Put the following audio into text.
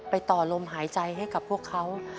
ต่อลมหายใจให้กับพวกเขา